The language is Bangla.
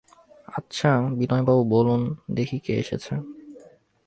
আচ্ছা, বিনয়বাবু, বলুন দেখি কে এসেছে?